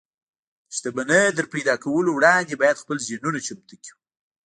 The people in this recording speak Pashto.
د شتمنۍ تر پيدا کولو وړاندې بايد خپل ذهنونه چمتو کړو.